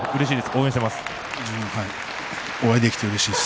応援しています。